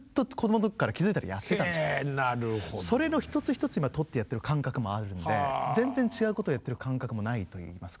それの一つ一つを今とってやってる感覚もあるんで全然違うことやってる感覚もないといいますか。